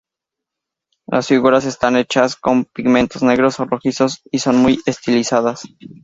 Las figuras están hechas con pigmentos negros o rojizos, y son muy estilizadas.